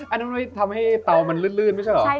อันนั่นทำให้เตามันลืดใช่ไหม